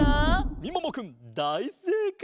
みももくんだいせいかい。